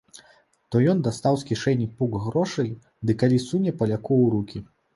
То ён дастаў з кішэні пук грошай ды калі суне паляку ў рукі!